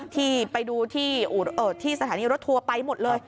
ที่ไปดูที่สถานีรถทัวร์ไปหมดเลย